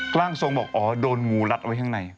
ร่างทรงบอกอ๋อโดนงูรัดไว้ข้างใน